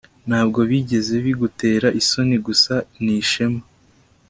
ntabwo bigeze bigutera isoni, gusa ni ishema